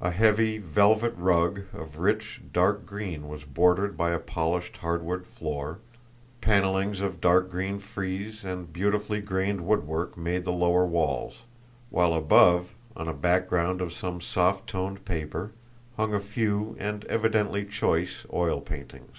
A heavy velvet rug of rich, dark green was bordered by a polished hardwood floor; panellings of dark green frieze and beautifully grained woodwork made the lower walls; while above, on a background of some soft toned paper, hung a few, and evidently choice, oil paintings.